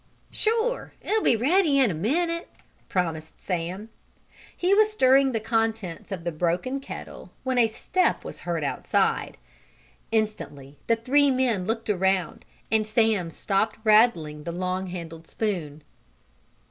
"Sure, it'll be ready in a minute!" promised Sam. He was stirring the contents of the broken kettle when a step was heard outside. Instantly the three men looked around, and Sam stopped rattling the long handled spoon.